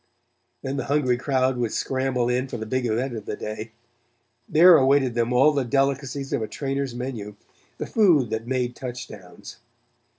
Then the hungry crowd would scramble in for the big event of the day. There awaited them all the delicacies of a trainer's menu; the food that made touchdowns.